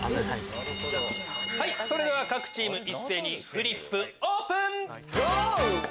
各チーム一斉にフリップオープン！